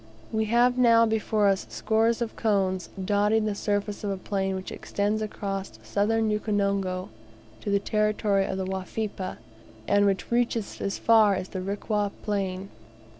We have now before us scores of cones, dotting the surface of a plain which extends across Southern Ukonongo to the territory of the Wafipa, and which reaches as far as the Rikwa Plain.